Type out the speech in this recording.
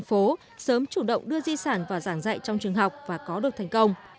phố sớm chủ động đưa di sản vào giảng dạy trong trường học và có được thành công